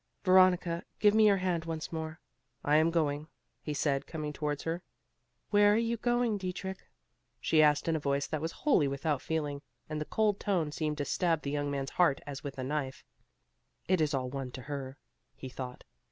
"Veronica, give me your hand once more. I am going," he said, coming towards her. "Where are you going, Dietrich?" she asked in a voice that was wholly without feeling; and the cold tone seemed to stab the young man's heart as with a knife. "It is all one to her;" he thought.